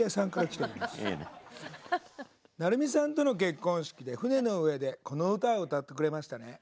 「成美さんとの結婚式で船の上でこの歌を歌ってくれましたね。